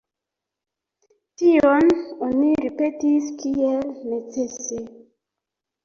Tion oni ripetis kiel necese.